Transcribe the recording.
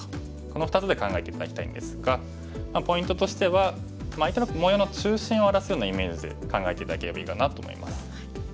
この２つで考えて頂きたいんですがポイントとしては相手の模様の中心を荒らすようなイメージで考えて頂ければいいかなと思います。